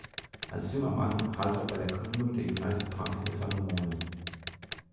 Als junger Mann half er bei der Gründung der United Party der Salomonen.